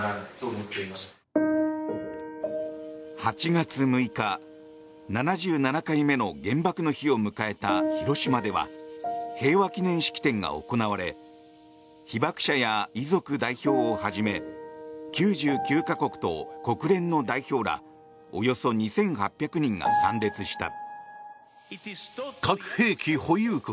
８月６日、７７回目の原爆の日を迎えた広島では平和記念式典が行われ被爆者や遺族代表をはじめ９９か国と国連の代表らおよそ２８００人が参列した。